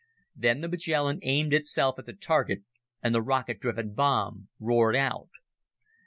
Then the Magellan aimed itself at the target, and the rocket driven bomb roared out.